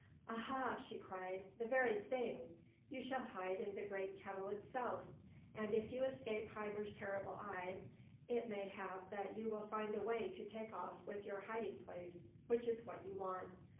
"Aha!" she cried. "The very thing! You shall hide in the great kettle itself; and if you escape Hymir's terrible eye, it may hap that you will find a way to make off with your hiding place, which is what you want."